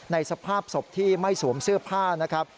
สภาพศพที่ไม่สวมเสื้อผ้านะครับ